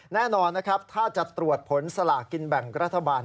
แน่นอนนะครับถ้าจะตรวจผลสลากินแบ่งรัฐบาล